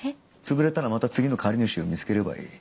潰れたらまた次の借り主を見つければいい。